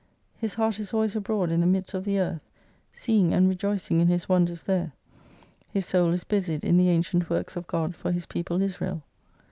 His heart is always abroad in the midst of the earth ; seeing and rejoicing in His wonders there. His soul is busied in the ancient works of God for His people Israel.